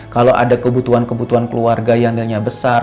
kalau ada kebutuhan kebutuhan keluarga yang nilainya besar